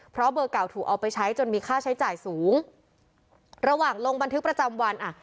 เพราะเบอร์เก่าถูกเอาไปใช้จนมีค่าใช้จ่ายสูงระหว่างลงบันทึกประจำวันอ่ะ